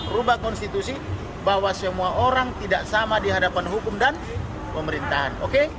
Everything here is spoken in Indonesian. rubah konstitusi bahwa semua orang tidak sama dihadapan hukum dan pemerintahan